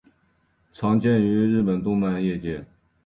常见于日本动漫业界。